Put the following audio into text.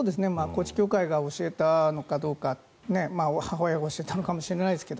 高知教会が教えたのかどうか母親が教えたのかもしれませんが。